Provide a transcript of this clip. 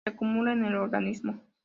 Se acumula en el organismo.